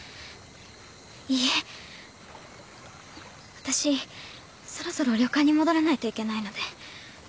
私そろそろ旅館に戻らないといけないので。